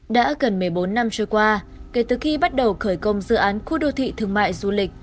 đã gần một mươi bốn năm trôi qua kể từ khi bắt đầu khởi công dự án khu đô thị thương mại du lịch